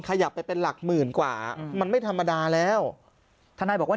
ขยับไปเป็นหลักหมื่นกว่ามันไม่ธรรมดาแล้วทนายบอกว่า